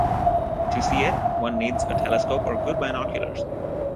To see it, one needs a telescope or good binoculars.